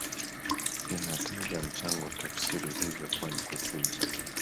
inataja mchango wa tafsiri hizo kuwa ni kukuza